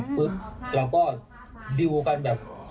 ปุ๊บเราก็ดิวกันแบบ